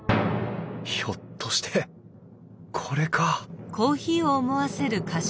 ひょっとしてこれか？